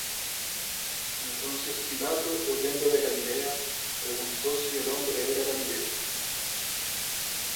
Entonces Pilato, oyendo de Galilea, preguntó si el hombre era Galileo.